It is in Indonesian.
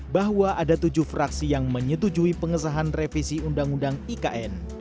bahwa ada tujuh fraksi yang menyetujui pengesahan revisi undang undang ikn